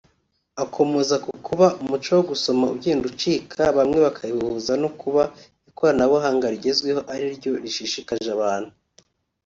Akomoza ku kuba umuco wo gusoma ugenda ucika bamwe bakabihuza no kuba ikoranabuhanga rigezweho ari ryo rishishkaje abantu